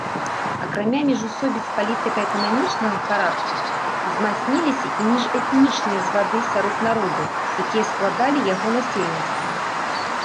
Акрамя міжусобіц палітыка-эканамічнага характару, узмацніліся і міжэтнічныя звады сярод народаў, якія складалі яго насельніцтва.